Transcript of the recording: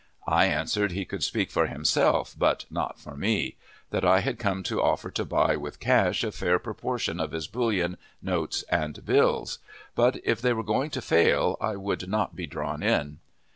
I answered he could speak for himself, but not for me; that I had come to offer to buy with cash a fair proportion of his bullion, notes, and bills; but, if they were going to fail, I would not be drawn in.